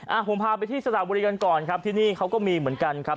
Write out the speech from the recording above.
ผมพาไปที่สระบุรีกันก่อนครับที่นี่เขาก็มีเหมือนกันครับ